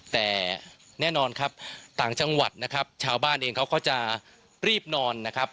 แต่แน่นอนครับต่างจังหวัดนะครับชาวบ้านเองเขาก็จะรีบนอนนะครับ